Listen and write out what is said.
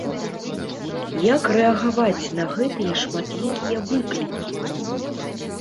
Як рэагаваць на гэтыя шматлікія выклікі?